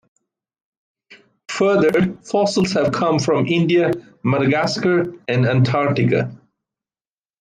Further fossils have come from India, Madagascar and Antarctica.